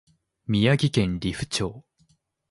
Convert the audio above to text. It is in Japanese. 宮城県利府町